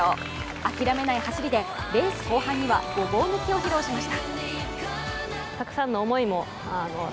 諦めない走りでレース後半にはごぼう抜きを披露しました。